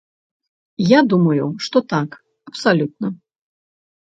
Я думаю, што так, абсалютна.